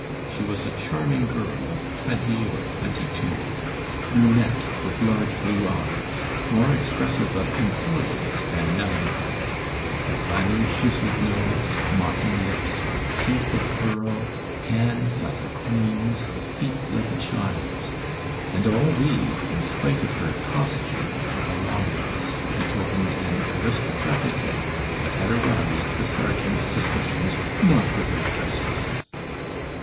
She was a charming girl of twenty or twenty two brunette, with large blue eyes, more expressive of intelligence than melancholy a finely chiseled nose, mocking lips, teeth of pearl, hands like a queen's, and feet like a child's; and all these, in spite of her costume of a laundress, betokened an aristocratic air that had aroused the sergeant's suspicions not without justice.